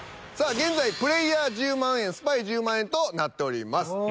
さあ現在プレイヤー１０万円スパイ１０万円となっております。